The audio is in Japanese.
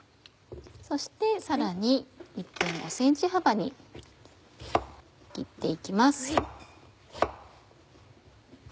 そしてさらに１．５ｃｍ幅に切って行きます。